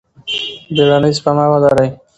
بیړنۍ سپما ولرئ.